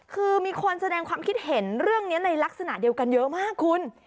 คือมีคนแสดงความคิดเห็นเรื่องนี้ในลักษณะเดียวกันเยอะมากคุณ